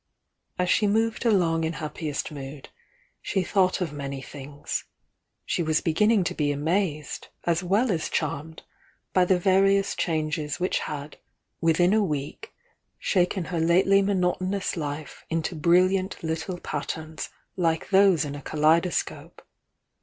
As she moved along in happiest mood, she thoi ght of many things; — she was beginning to be amazed, as well as charmed, by the various changes which had, within a week, shaken her lately monotonous life into brilliant little patterns like those in a kaleidoscope.